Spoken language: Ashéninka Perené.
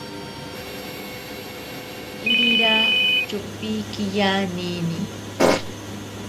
Irira chopiki yanini.